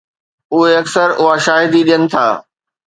اهي اڪثر اها شاهدي ڏين ٿا